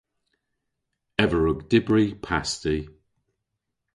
Ev a wrug dybri pasti.